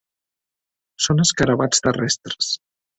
Són escarabats terrestres.